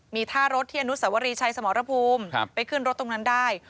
มีท่ารถที่อนุสวรีชัยสมรภูมิไปขึ้นรถตรงนั้นได้